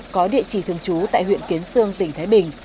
có địa chỉ thường trú tại huyện kiến sương tỉnh thái bình